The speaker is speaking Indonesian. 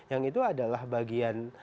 yang itu adalah bagian